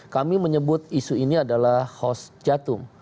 kami menyebut isu ini adalah hos jatuh